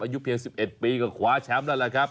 อายุเพียง๑๑ปีก็คว้าแชมป์แล้วล่ะครับ